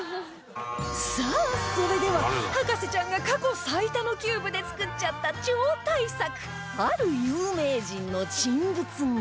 さあそれでは博士ちゃんが過去最多のキューブで作っちゃった超大作ある有名人の人物画